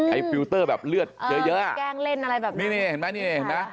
ไอ้ฟิลเตอร์แบบเลือดเยอะแกล้งเล่นอะไรแบบนี้